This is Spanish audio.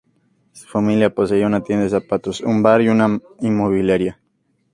Su familia poseía una tienda de zapatos, un bar y una inmobiliaria.